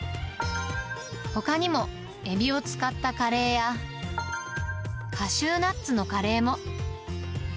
ほかにもエビを使ったカレーや、カシューナッツのカレーも。